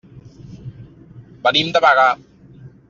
Venim de Bagà.